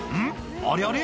あれあれ？